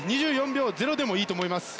２４秒０でもいいと思います。